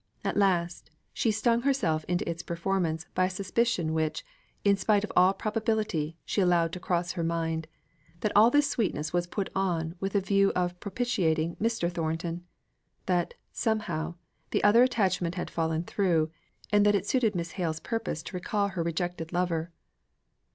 At last she stung herself into its performance by a suspicion which, in spite of all probability, she allowed to cross her mind, that all this sweetness was put on with a view of propitiating Mr. Thornton; that, somehow, the other attachment had fallen through, and that it suited Miss Hale's purpose to recall her rejected lover.